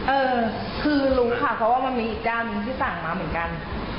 เออคือรู้ค่ะเพราะว่ามันมีอีกด้านหนึ่งที่สั่งมาเหมือนกัน